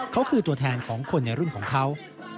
เขาคือตัวแทนของคนในรุ่นของเขา